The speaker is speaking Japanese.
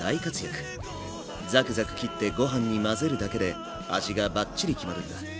ザクザク切ってご飯に混ぜるだけで味がバッチリ決まるんだ。